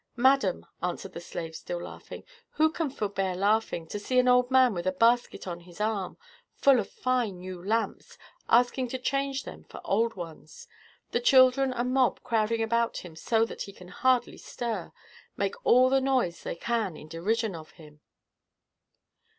"Madam," answered the slave, laughing still, "who can forbear laughing, to see an old man with a basket on his arm, full of fine new lamps, asking to change them for old ones? The children and mob crowding about him so that he can hardly stir, make all the noise they can in derision of him."